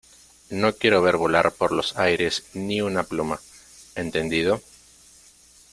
no quiero ver volar por los aires ni una pluma, ¿ entendido?